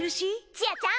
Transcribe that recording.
ちあちゃん